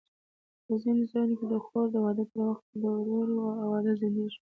په ځینو ځایونو کې د خور د واده تر وخته د ورور واده ځنډېږي.